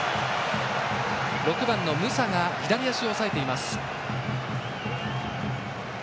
６番のムサが左足を押さえています。